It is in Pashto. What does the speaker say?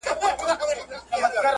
دندي تر سره کړي دي